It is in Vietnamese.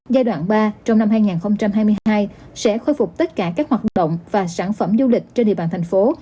giai đoạn ba trong năm hai nghìn hai mươi hai sẽ khôi phục tất cả các hoạt động và sản phẩm du lịch trên địa bàn thành phố